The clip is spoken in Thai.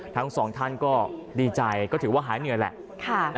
ทั้งสองท่านก็ดีใจก็ถือว่าหายเหนื่อยแหละ